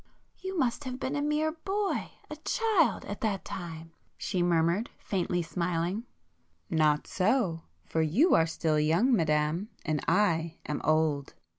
"You must have been a mere boy—a child,—at that time!" she murmured faintly smiling. "Not so!—for you are still young, Madame, and I am old.